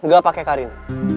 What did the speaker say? gak pake karin